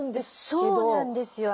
そうなんですよ。